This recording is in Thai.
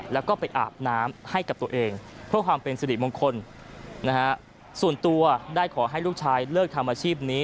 แล้วก็ไปอาบน้ำให้กับตัวเองเพื่อความเป็นสิริมงคลนะฮะส่วนตัวได้ขอให้ลูกชายเลิกทำอาชีพนี้